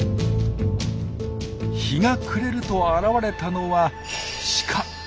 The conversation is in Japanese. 日が暮れると現れたのはシカ。